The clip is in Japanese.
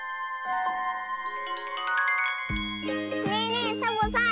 ねえねえサボさん